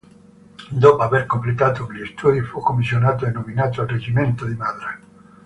Dopo aver completato gli studi, fu commissionato e nominato al reggimento di Madras.